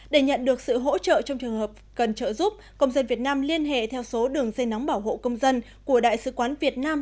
để nhận được sự hỗ trợ trong trường hợp cần trợ giúp công dân việt nam liên hệ theo số đường dây nóng bảo hộ công dân của đại sứ quán việt nam